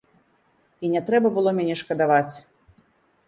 І не трэба было мяне шкадаваць!